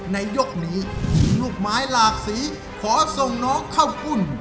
ในยกนี้ลูกไม้หลากสีขอส่งน้องเข้ากุ่น